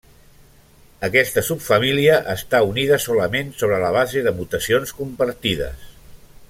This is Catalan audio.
Aquesta subfamília està unida solament sobre la base de mutacions compartides.